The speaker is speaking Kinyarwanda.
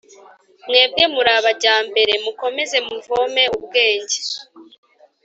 Mwebwe muri abajyambere, mukomeze muvome ubwenge